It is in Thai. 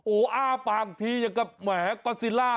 โอ้โหอ้าปากทีอย่างกับแหมกอซิล่า